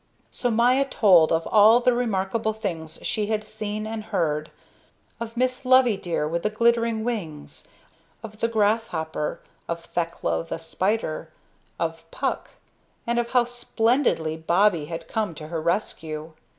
So Maya told of all the remarkable things she had seen and heard, of Miss Loveydear with the glittering wings, of the grasshopper, of Thekla the spider, of Puck, and of how splendidly Bobbie had come to her rescue.